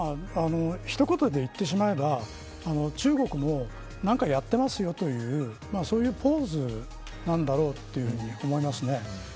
一言で言ってしまえば中国も何かやっていますよというそういうポーズなんだろうというふうに思います。